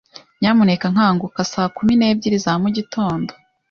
Nyamuneka nkanguka saa kumi n'ebyiri za mugitondo.